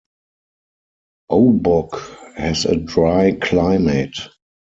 Obock has a dry climate.